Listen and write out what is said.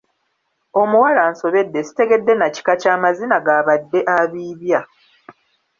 Omuwala ansobedde sitegedde na kika ky'amazina gaabadde abiibya.